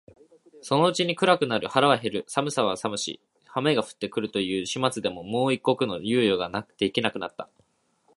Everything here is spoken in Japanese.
そのうちに暗くなる、腹は減る、寒さは寒し、雨が降って来るという始末でもう一刻の猶予が出来なくなった